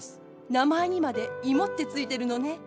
名前にまで「芋」って付いてるのね。